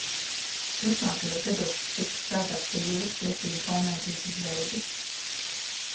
Turpmākajos gados tika strādāts pie Jūras tiesību konvencijas izveides.